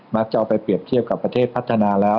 จะเอาไปเปรียบเทียบกับประเทศพัฒนาแล้ว